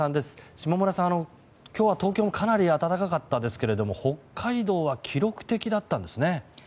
下村さん、今日は東京もかなり暖かかったですが北海道は記録的だったんですね。